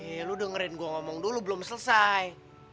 yeh lo dengerin gue ngomong dulu belum selesai